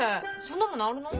そんなものあるの？